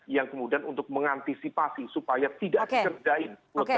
yang kemudian untuk mengantisipasi supaya tidak dikerjain